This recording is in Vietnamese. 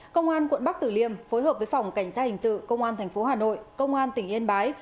công an quận bắc tử liêm phối hợp với phòng cảnh sát hình sự công an tp hà nội công an tỉnh yên bái